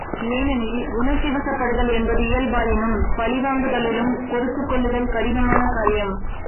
ஏனெனில், உணர்ச்சி வசப்படுதல் என்பது இயல்பு ஆயினும் பழிவாங்குதலிலும், பொறுத்துக் கொள்ளுதல் கடினமான காரியம்.